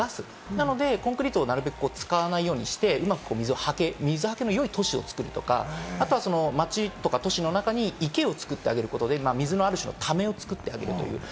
なのでコンクリートをなるべく使わないようにして水はけの良い都市を作るとか、あとは街とか都市の中に池を作ってあげることで、水のためを作ってあげる。